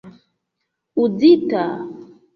uzita